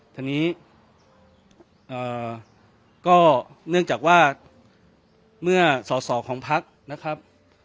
ทีนี้ก็เนื่องจากว่าเมื่อสอสอของพักนะครับ